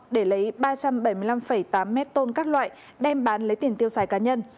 để lấy ba trăm bảy mươi năm tám mét tôn các loại đem bán lấy tiền tiêu xài cá nhân